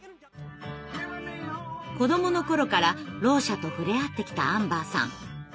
子どもの頃からろう者と触れ合ってきたアンバーさん。